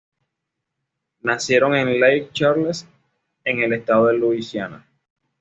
Nacieron en Lake Charles en el estado de Luisiana.